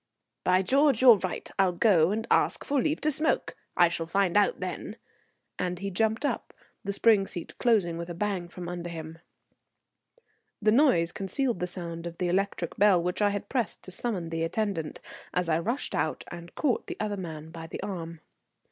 "By George, you're right. I'll go and ask for leave to smoke. I shall find out then," and he jumped up, the spring seat closing with a bang from under him. The noise concealed the sound of the electric bell which I had pressed to summon the attendant, as I rushed out and caught the other man by the arm.